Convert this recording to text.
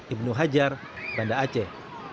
ibnu hajar banda aceh